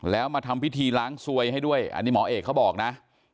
แล้วมาทำพิธีล้างสวยให้ด้วยอันนี้หมอเอกเขาบอกนะ